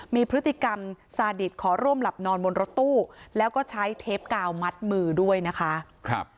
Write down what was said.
มีพฤติกรรมซาดิตขอร่วมหลับนอนบนรถตู้แล้วก็ใช้เทปกาวมัดมือด้วยนะคะ